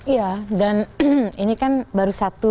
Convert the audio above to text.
iya dan ini kan baru satu